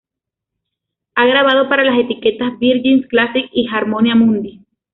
Ha grabado para las etiquetas Virgin Classics y Harmonia Mundi.